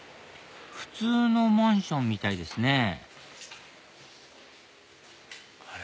普通のマンションみたいですねあれ？